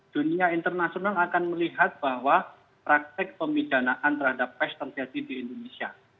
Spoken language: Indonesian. dunia internasional akan melihat bahwa praktek pemidanaan terhadap pes terjadi di indonesia